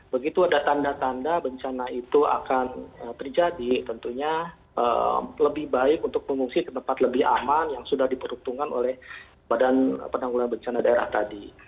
begitu ada tanda tanda bencana itu akan terjadi tentunya lebih baik untuk pengungsi ke tempat lebih aman yang sudah diperuntungkan oleh badan penanggulan bencana daerah tadi